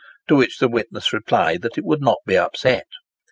To which the witness replied that it would not be upset.